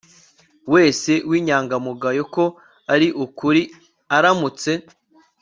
wese w'inyangamugayo ko ari ukuri aramutse